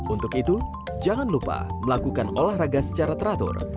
untuk itu jangan lupa melakukan olahraga secara teratur